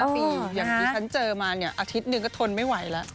อย่างที่ฉันเจอมาเนี่ยอาทิตย์หนึ่งก็ทนไม่ไหวแล้ว